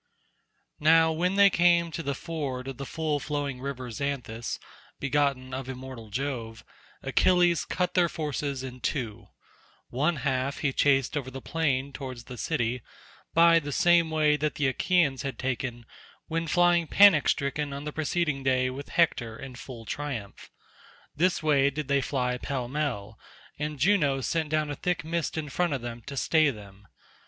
Now when they came to the ford of the full flowing river Xanthus, begotten of immortal Jove, Achilles cut their forces in two: one half he chased over the plain towards the city by the same way that the Achaeans had taken when flying panic stricken on the preceding day with Hector in full triumph; this way did they fly pell mell, and Juno sent down a thick mist in front of them to stay them.